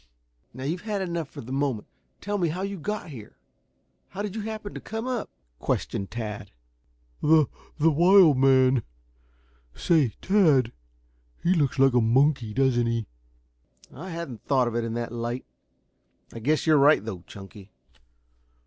"Now, you've had enough for the moment. Tell me how you got here? How did you happen to come up?" questioned Tad. "The the wild man say, Tad, he looks like a monkey, doesn't he?" "I hadn't thought of it in that light. I guess you're right, though, Chunky."